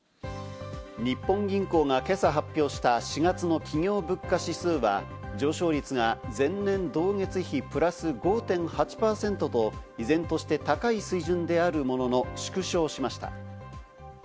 日本銀行が今朝発表した４月の企業物価指数は上昇率が前年同月比プラス５．８％と依然として高い水準であるものの、縮小しました。